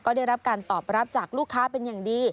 ก็ได้รับการตอบรับจากลูกค้าเป็นอย่างดี